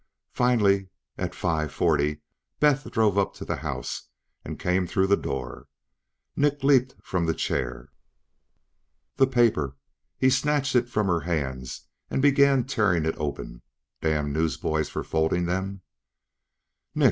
Finally, at five forty, Beth drove up to the house and came through the door. Nick leaped from the chair. "The paper!" He snatched it from her hands and began tearing it open. Damn newsboys for folding them! "Nick!